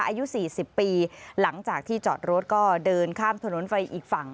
อายุ๔๐ปีหลังจากที่จอดรถก็เดินข้ามถนนไปอีกฝั่ง